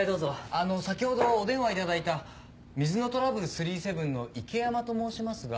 あの先ほどお電話いただいた「水のトラブル７７７」の池山と申しますが。